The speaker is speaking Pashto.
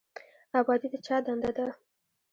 ابادي د چا دنده ده؟